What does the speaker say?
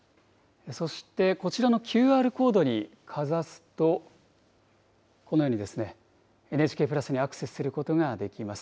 そして、こちらのＱＲコードにかざすと、このようにＮＨＫプラスにアクセスすることができます。